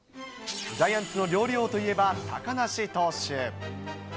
ジャイアンツの料理王といえば、高梨投手。